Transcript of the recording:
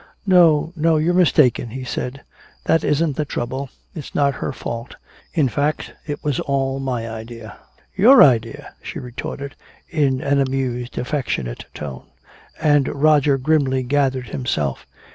"No, no, you're mistaken," he said. "That isn't the trouble, it's not her fault. In fact it was all my idea." "Your idea," she retorted, in an amused affectionate tone. And Roger grimly gathered himself.